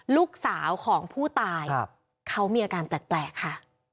ลูกสาวของผู้ตายเขามีอาการแปลกค่ะ